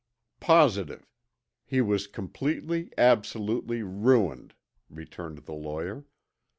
"Positive. He was completely, absolutely ruined," returned the lawyer.